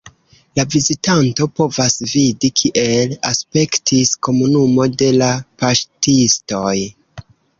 La vizitanto povas vidi, kiel aspektis komunumo de la paŝtistoj.